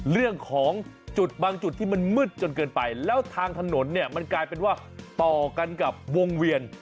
เรื่องของจุดบางจุดที่มันมืดจนเกินไปแล้วทางถนนเนี่ยมันกลายเป็นว่าต่อกันกับวงเวียน